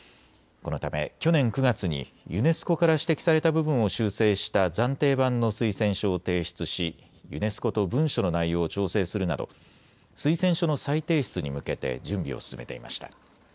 このため去年９月にユネスコから指摘された部分を修正した暫定版の推薦書を提出しユネスコと文書の内容を調整するなど推薦書の再提出に向けて準備を進めていました。